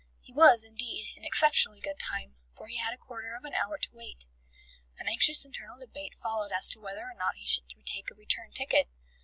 He was, indeed, in exceptionally good time, for he had a quarter of an hour to wait. An anxious internal debate followed as to whether or not he should take a return ticket.